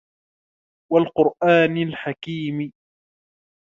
وَالْقُرْآنِ الْحَكِيمِ